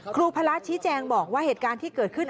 พระรัชชี้แจงบอกว่าเหตุการณ์ที่เกิดขึ้น